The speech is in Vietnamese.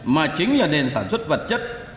mà chính là nền sản xuất vật chất